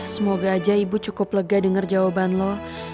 semoga aja ibu cukup lega dengar jawaban lo